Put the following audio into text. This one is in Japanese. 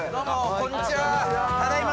こんにちは。